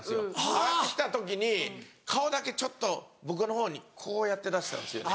上がってきた時に顔だけちょっと僕の方にこうやって出したんですよね。